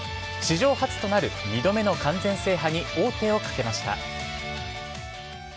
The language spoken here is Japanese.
史上初となる２度目の完全制覇に王手をかけました。